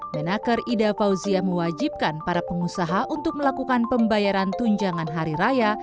menaker ida fauzia mewajibkan para pengusaha untuk melakukan pembayaran tunjangan hari raya